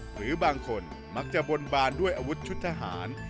หรือบางคนมักจะบนบานด้วยอาวุธชุดทหาร